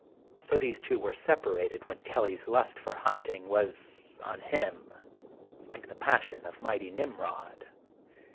So th^se two were separated when Kelly's lust for hunting was on him like the passion of mighty Nimrod.